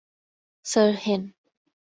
Sir Hen.